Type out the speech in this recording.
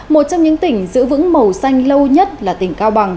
một trong những tỉnh giữ vững màu xanh lâu nhất là tỉnh cao bằng